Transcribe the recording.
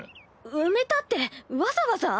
埋めたってわざわざ？